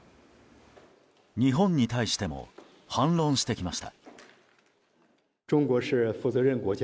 日本に対しても反論してきました。